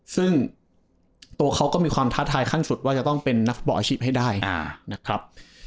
ซึ่งตัวเขาก็มีความท้าทายขั้นสุดว่าจะต้องเป็นนักฟุตบอลอาชีพให้ได้นะครับ